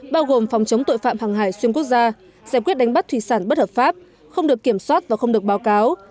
bao gồm phòng chống tội phạm hàng hải xuyên quốc gia giải quyết đánh bắt thủy sản bất hợp pháp không được kiểm soát và không được báo cáo